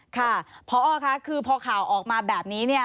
ค่ะพอค่ะคือพอข่าวออกมาแบบนี้เนี่ย